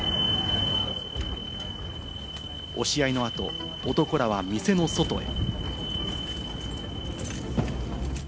押し合いの後、男らは店の外へ。